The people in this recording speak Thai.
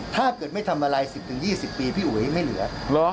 ถ้าเกิดไม่ทำอะไร๑๐๒๐ปีพี่อุ๋ยไม่เหลือ